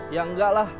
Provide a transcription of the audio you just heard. ya enggak lah